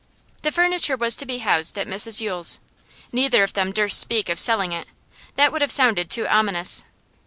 The furniture was to be housed at Mrs Yule's. Neither of them durst speak of selling it; that would have sounded too ominous.